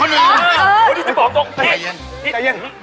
เฮ้ยมาชม